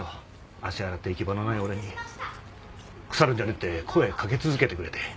足洗って行き場のない俺に腐るんじゃねえって声かけ続けてくれて。